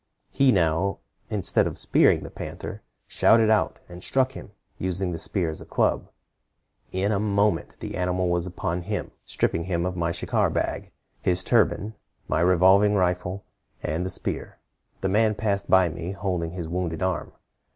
He now, instead of spearing the panther, shouted out, and struck him, using the spear as a club. In a moment the animal was upon him, stripping him of my shikar bag, his turban, my revolving rifle, and the spear. The man passed by me, holding his wounded arm.